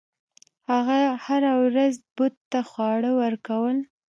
هغه هره ورځ بت ته خواړه ورکول.